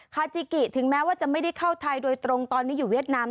คาจิกิถึงแม้ว่าจะไม่ได้เข้าไทยโดยตรงตอนนี้อยู่เวียดนาม